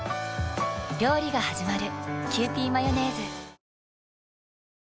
料理がはじまる。